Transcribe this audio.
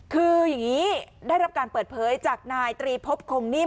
คืออย่างนี้ได้รับการเปิดเผยจากนายตรีพบคงนิ่ม